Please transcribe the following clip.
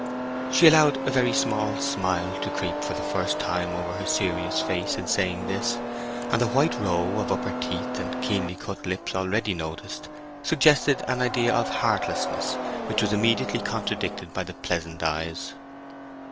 She allowed a very small smile to creep for the first time over her serious face in saying this, and the white row of upper teeth, and keenly cut lips already noticed, suggested an idea of heartlessness, which was immediately contradicted by the pleasant eyes.